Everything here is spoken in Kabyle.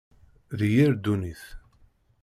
D yir ddunit.